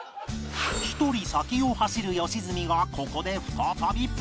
一人先を走る良純がここで再び